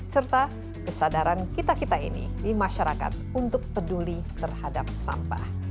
serta kesadaran kita kita ini di masyarakat untuk peduli terhadap sampah